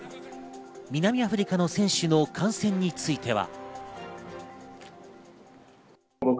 南アフリカの選手の感染については。